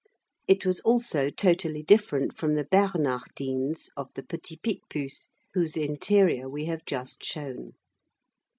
It was also totally different from the Bernardines of the Petit Picpus, whose interior we have just shown.